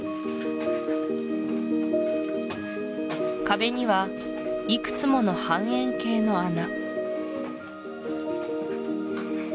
壁にはいくつもの半円形の穴